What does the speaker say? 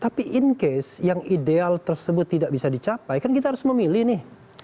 tapi in case yang ideal tersebut tidak bisa dicapai kan kita harus memilih nih